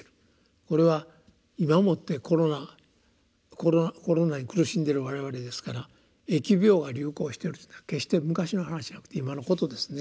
これは今をもってコロナに苦しんでる我々ですから疫病が流行してるっていうのは決して昔の話じゃなくて今のことですね。